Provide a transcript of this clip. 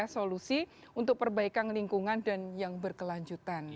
solusi untuk perbaikan lingkungan dan yang berkelanjutan